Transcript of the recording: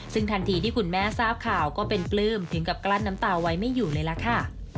ซึ่งทันทีที่คุณแม่ทราบข่าวก็เป็นปลื้มถึงกับกลั้นน้ำตาไว้ไม่อยู่เลยล่ะค่ะ